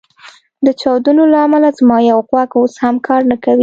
د چاودنو له امله زما یو غوږ اوس هم کار نه کوي